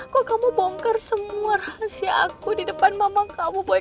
kok kamu bongkar semua rahasia aku di depan mama kamu